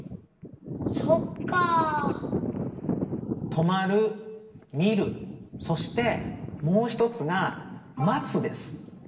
「とまる」「みる」そしてもうひとつが「まつ」です。